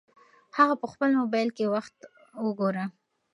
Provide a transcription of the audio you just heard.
هغه په خپل موبایل کې وخت وګوره.